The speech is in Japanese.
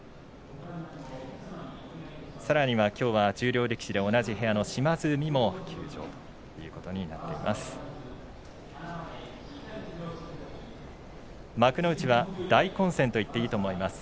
さらにはきょうは十両力士で同じ部屋の島津海も休場ということになっています。